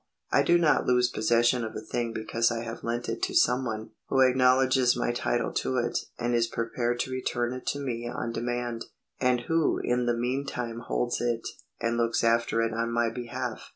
I do not lose possession of a thing because I have lent it to some one who acknowledges my title to it and is prepared to return it to me on demand, and who in the meantime holds it and looks after it on my behalf.